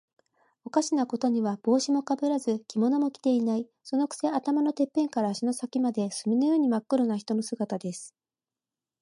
おかしなことには、帽子もかぶらず、着物も着ていない。そのくせ、頭のてっぺんから足の先まで、墨のようにまっ黒な人の姿です。